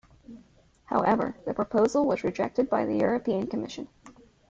However, the proposal was rejected by the European Commission.